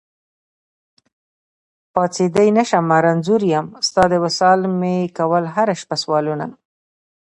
پاڅېدی نشمه رنځور يم، ستا د وصال مي کول هره شپه سوالونه